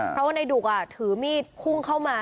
เพราะว่าในดุกถือมีดพุ่งเข้ามา